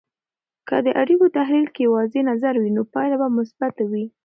که د اړیکو تحلیل کې واضح نظر وي، نو پایله به مثبته وي.